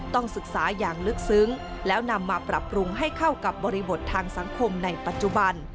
ต้องศึกษาอย่างลึกซึ้งแล้วนำมาปรับปรุงให้เข้ากับบริบททางสังคมในปัจจุบัน